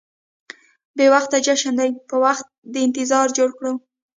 بې وخته جشن دې په وخت د انتظار جوړ کړو.